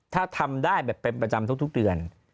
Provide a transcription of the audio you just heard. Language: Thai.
ถ้าทำได้แบบเป็นประจำทุกเดือน